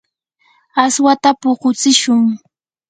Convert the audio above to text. aswata puqutsishun.